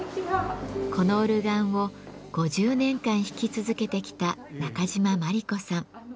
このオルガンを５０年間弾き続けてきた中島萬里子さん。